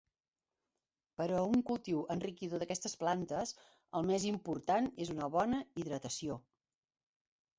Per a un cultiu enriquidor d'aquestes plantes el més important és una bona hidratació.